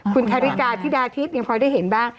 คุณคาริกาธิดาทิพย์ยังพอได้เห็นบ้าง